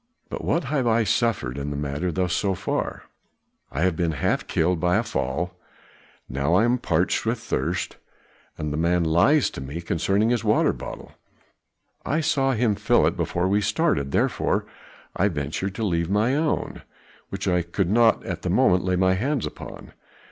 But what have I suffered in the matter thus far? I have been half killed by a fall, now am I parched with thirst, and the man lies to me concerning his water bottle. I saw him fill it before we started, therefore I ventured to leave mine own, which I could not at the moment lay my hands upon.